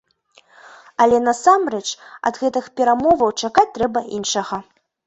Але, насамрэч, ад гэтых перамоваў чакаць трэба іншага.